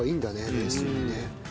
冷水にね。